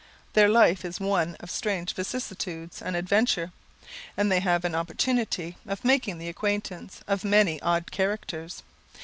Their life is one of strange vicissitudes and adventure, and they have an opportunity of making the acquaintance of many odd characters.